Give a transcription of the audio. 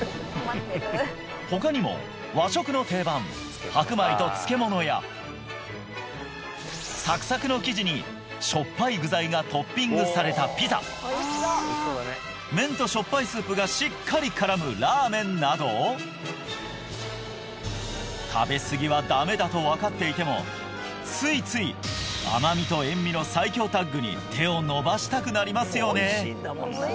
他にも和食の定番白米と漬物やサクサクの生地にしょっぱい具材がトッピングされたピザ麺としょっぱいスープがしっかり絡むラーメンなど食べすぎはダメだと分かっていてもついつい甘味と塩味の最凶タッグに手を伸ばしたくなりますよね